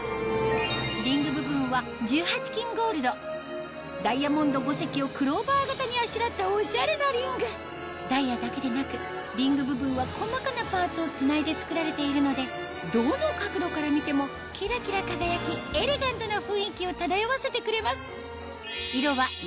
リング部分は１８Ｋゴールドダイヤモンド５石をクローバー形にあしらったおしゃれなリングダイヤだけでなくリング部分は細かなパーツをつないで作られているのでどの角度から見てもキラキラ輝きエレガントな雰囲気を漂わせてくれます